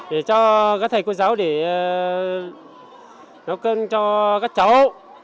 để cho các thầy cô giáo để nấu cơm cho các cháu